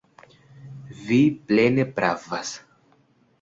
Vi plene pravas.